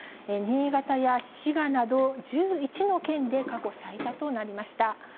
新潟や滋賀など、１１の県で過去最多となりました。